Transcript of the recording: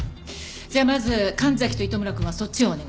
じゃあまず神崎と糸村くんはそっちをお願い。